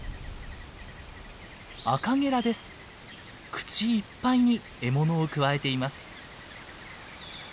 口いっぱいに獲物をくわえています。